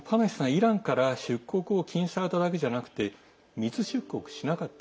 イランから出国を禁止されただけでなく密出国しなかった。